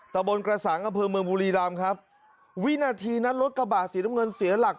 ตะบนกระสังอำเภอเมืองบุรีรำครับวินาทีนั้นรถกระบะสีน้ำเงินเสียหลัก